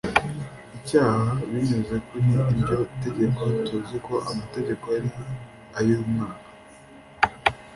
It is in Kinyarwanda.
Icyaha binyuze kuri iryo tegeko tuzi ko amategeko ari ay umwuka